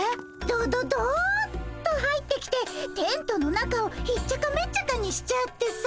ドドドッと入ってきてテントの中をひっちゃかめっちゃかにしちゃってさ。